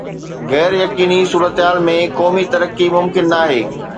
غير يقيني صورتحال ۾ قومي ترقي ممڪن ناهي